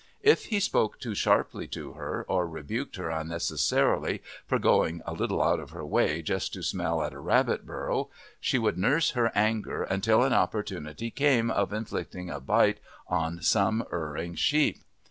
If he spoke too sharply to her, or rebuked her unnecessarily for going a little out of her way just to smell at a rabbit burrow, she would nurse her anger until an opportunity came of inflicting a bite on some erring sheep.